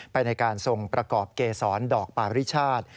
ไปในการทรงประกอบเกษรดอกปาริชาติ